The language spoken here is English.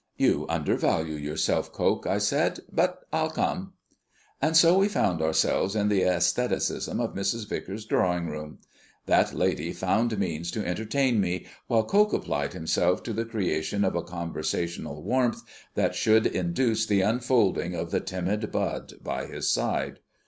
"You undervalue yourself, Coke," I said. "But I'll come." And so we found ourselves in the æstheticism of Mrs. Vicars's drawing room. That lady found means to entertain me, while Coke applied himself to the creation of a conversational warmth that should induce the unfolding of the timid bud by his side.